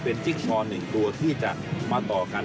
เป็นจิ๊กชอ๑ตัวที่จะมาต่อกัน